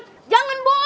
terima kasih pak joko